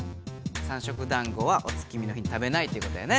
三色だんごはお月見の日に食べないということやね。